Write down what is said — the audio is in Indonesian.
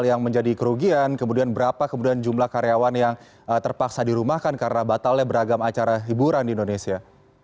yang menjadi kerugian kemudian berapa kemudian jumlah karyawan yang terpaksa dirumahkan karena batalnya beragam acara hiburan di indonesia